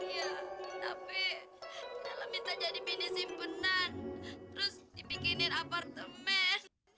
iya tapi kalau minta jadi mini simpenan terus dibikinin apartemen